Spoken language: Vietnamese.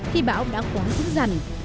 khi bão đã quán xứng dằn